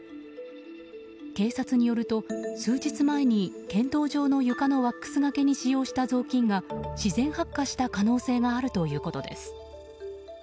警察によると数日前に剣道場の床のワックスがけに使用した雑巾が自然発火した可能性があるということです。